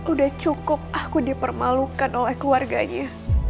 udah cukup aku dipermalukan oleh keluarganya